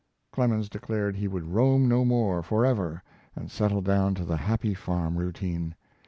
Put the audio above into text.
Clemens declared he would roam no more forever, and settled down to the happy farm routine.